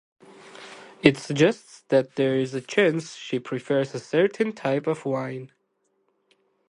It suggests that there is a chance she prefers a certain type of wine.